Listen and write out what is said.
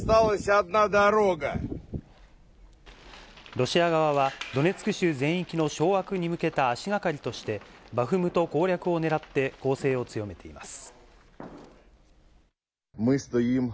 ロシア側はドネツク州全域の掌握に向けた足がかりとして、バフムト攻略をねらって攻勢を強めています。